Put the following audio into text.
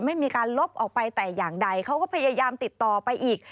ไม่มีการลบออกไปแต่อย่างใดเขาก็พยายามติดต่อไปอีก